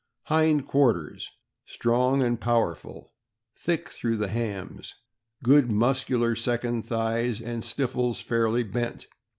Hind quarters. — Strong and powerful, thick through the hams ; good muscular second thighs, and stifles fairly bent.